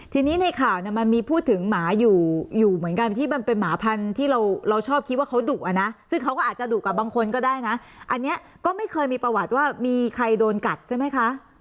ทีนี้ในข่าวเนี่ยมันมีพูดถึงหมาอยู่อยู่เหมือนกันที่มันเป็นหมาพันธุ์ที่เราชอบคิดว่าเขาดุอ่ะนะซึ่งเขาก็อาจจะดุกับบางคนก็ได้นะอันนี้ก็ไม่เคยมีประวัติว่ามีใครโดนกัดใช่ไหมคะ